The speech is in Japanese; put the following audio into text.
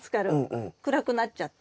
暗くなっちゃった。